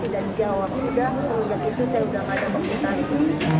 sudah semenjak itu saya sudah tidak ada komunikasi